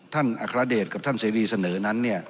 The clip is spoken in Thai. อัครเดชกับท่านเสรีเสนอนั้นเนี่ย